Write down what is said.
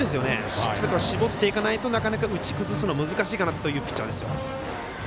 しっかりと絞っていかないと打ち崩すの、なかなか難しいかなというピッチャーです。